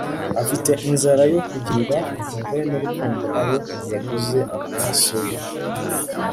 Afite inzara yo kugirira impuhwe n’urukundo abo yaguze amaraso ye.